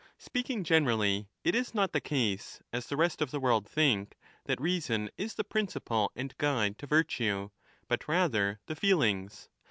Speaking generally, it is not the case^ as the rest of the world think, that reason is the principle and guide to virtue, but rather the feelings.